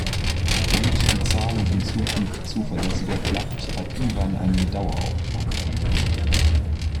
Damit die Zahlung in Zukunft zuverlässiger klappt, hat Iwan einen Dauerauftrag eingerichtet.